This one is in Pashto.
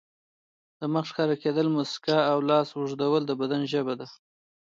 د مخ ښکاره کېدل، مسکا او لاس اوږدول د بدن ژبه ده.